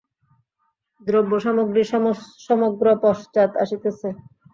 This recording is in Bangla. দ্রব্যসামগ্রী সমগ্র পশ্চাৎ আসিতেছে।